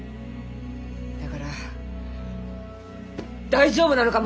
だから大丈夫なのか？